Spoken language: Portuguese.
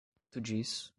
Tu diz?